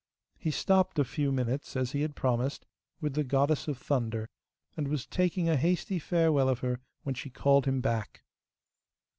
He stopped a few minutes, as he had promised, with the Goddess of Thunder, and was taking a hasty farewell of her, when she called him back.